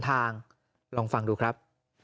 ลองฟังดูครับ